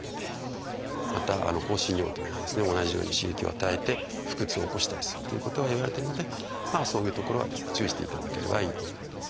また香辛料というのは同じように刺激を与えて腹痛を起こしたりするということはいわれてるのでそういうところは注意していただければいいと思います。